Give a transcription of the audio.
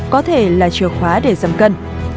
có thể là chìa khóa để giảm cân